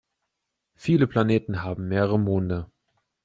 Viele Planeten haben mehrere Monde.